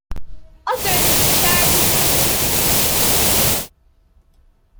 Others shared his interest.